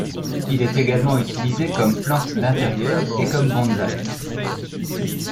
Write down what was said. Il est également utilisé comme plante d'intérieur et comme bonsaï.